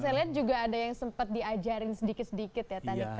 saya lihat juga ada yang sempat diajarin sedikit sedikit ya tadi